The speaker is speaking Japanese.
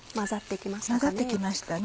混ざって来ましたかね。